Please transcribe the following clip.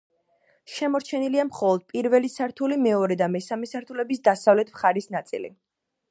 შემორჩენილია მხოლოდ პირველი სართული, მეორე და მესამე სართულების დასავლეთ მხარის ნაწილი.